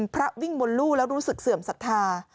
พระวิ่งบนลู่แล้วรู้สึกเสื่อมศรัทธา